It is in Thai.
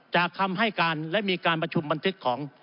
คำให้การและมีการประชุมบันทึกของ